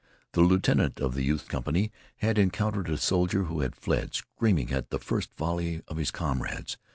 The lieutenant of the youth's company had encountered a soldier who had fled screaming at the first volley of his comrades.